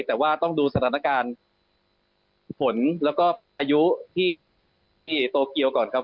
แต่ว่าต้องดูสถานการณ์ฝนแล้วก็พายุที่โตเกียวก่อนครับ